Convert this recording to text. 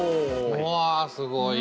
うわすごい。